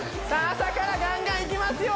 朝からガンガンいきますよ